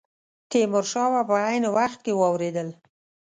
تیمور شاه په عین وخت کې واورېدل.